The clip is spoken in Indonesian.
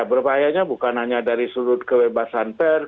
berbahayanya bukan hanya dari sudut kebebasan pers